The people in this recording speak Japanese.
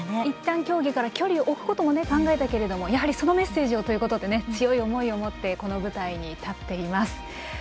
いったん競技から距離を置くことを考えたけれどもやはり、そのメッセージをという強い思いを持ってこの舞台に立っています。